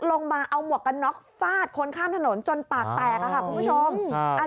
ลงมาเอาหมวกกันน็อกฟาดคนข้ามถนนจนปากแตกค่ะคุณผู้ชม